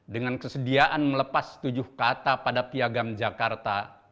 dengan kesediaan melepas tujuh kata pada piagam jakarta